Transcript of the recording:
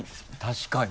確かに。